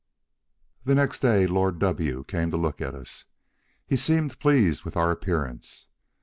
The next day Lord W came to look at us; he seemed pleased with our appearance.